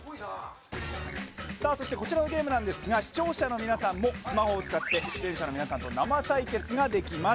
そしてこちらのゲームですが視聴者の皆さんもスマホを使って生対決ができます。